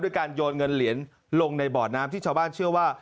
การโยนเงินเหรียญลงในบ่อน้ำที่ชาวบ้านเชื่อว่า